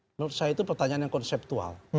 menurut saya itu pertanyaan yang konseptual